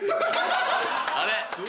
・・あれ？